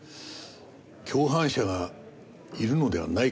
共犯者がいるのではないかとも思った。